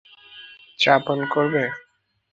চা পান করবে?